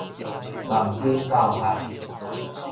網頂教學